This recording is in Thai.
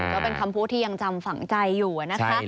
ก็เป็นคำพูดที่ยังจำฝังใจอยู่นะคะ